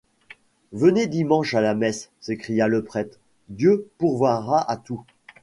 Venez dimanche à la messe, s’écria le prêtre, Dieu pourvoira à tout!